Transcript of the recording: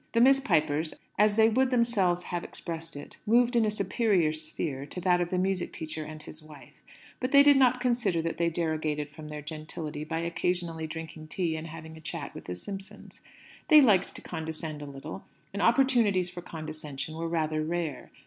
The Miss Pipers, as they would themselves have expressed it, "moved in a superior sphere" to that of the music teacher and his wife; but they did not consider that they derogated from their gentility by occasionally drinking tea and having a chat with the Simpsons. They liked to condescend a little, and opportunities for condescension were rather rare.